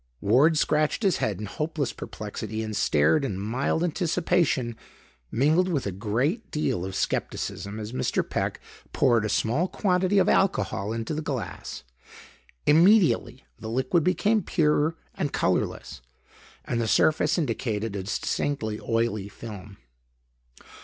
Ward scratched his head in hopeless perplexity and stared in mild anticipation mingled with a great deal of skepticism as Mr. Peck poured a small quantity of alcohol into the glass. Immediately, the liquid became pure and colorless and the surface indicated a distinctly oily film.